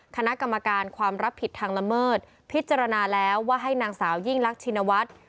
คณะกรรมการความรับผิดทางละเมิดพิจารณาแล้วว่าให้นางสาวยิ่งรักชินวัฒน์